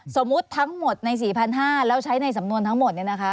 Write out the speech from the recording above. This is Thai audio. สมมุติทั้งหมดใน๔๕๐๐แล้วใช้ในสำนวนทั้งหมด